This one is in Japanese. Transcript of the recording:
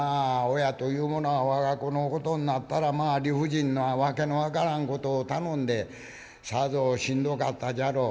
親というものは我が子のことになったらまあ理不尽な訳の分からんことを頼んでさぞしんどかったじゃろう。